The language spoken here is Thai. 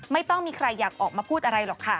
ไม่ต้องมีใครอยากออกมาพูดอะไรหรอกค่ะ